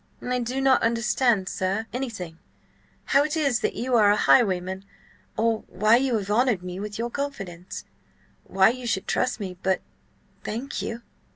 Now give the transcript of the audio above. "I do not understand, sir, anything: how it is that you are a highwayman, or why you have honoured me with your confidence–why you should trust me. But—thank you."